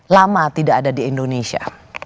lama tidak ada di indonesia